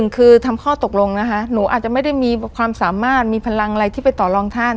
คือทำข้อตกลงนะคะหนูอาจจะไม่ได้มีความสามารถมีพลังอะไรที่ไปต่อรองท่าน